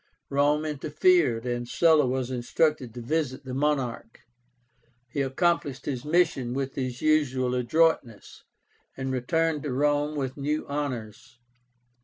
Rome interfered, and Sulla was instructed to visit the monarch. He accomplished his mission with his usual adroitness, and returned to Rome with new honors.